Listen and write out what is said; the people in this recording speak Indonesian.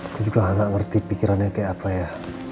aku juga gak ngerti pikirannya kayak apa ya